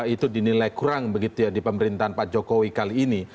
itu dinilai kurang begitu ya di pemerintahan pak jokowi kali ini